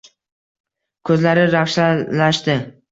Ko'zlari ravshanlashdi.